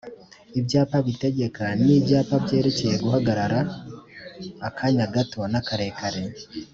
ibyapa bitegeka n’ibyapa byerekeye guhagarara akanya gato n'akarekare